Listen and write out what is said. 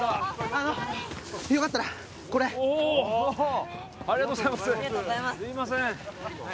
あのよかったらこれおおっありがとうございますすいませんじゃ